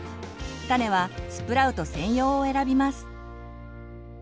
種はスプラウト専用を選びます。